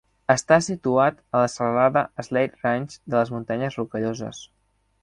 Està situat a la serralada Slate Range de les muntanyes Rocalloses.